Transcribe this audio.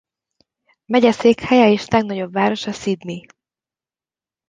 Megyeszékhelye és legnagyobb városa Sidney.